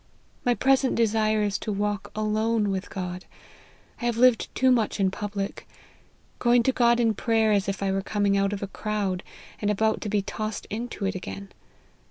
My present desire is to walk alone with God.' I have lived too much in public ; going to God in prayer as if 1 were coming out of a crowd, and about to be tossed into it again.